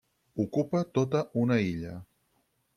Ocupa tota una illa.